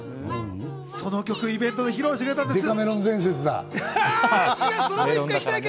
その曲、イベントで披露してくれたんです。